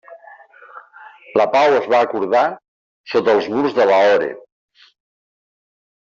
La pau es va acordar sota els murs de Lahore.